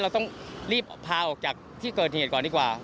เราต้องรีบพาออกจากที่เกิดเหตุก่อนดีกว่า